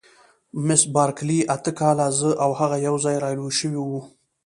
مس بارکلي: اته کاله، زه او هغه یوځای را لوي شوي وو.